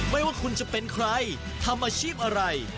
ไม่ว่าคุณจะเป็นใครทำอาชีพอะไร